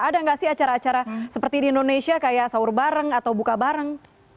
ada nggak sih acara acara seperti di indonesia kayak sahur bareng atau buka bareng